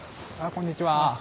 こんにちは。